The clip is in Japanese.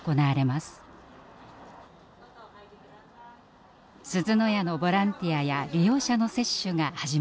すずの家のボランティアや利用者の接種が始まりました。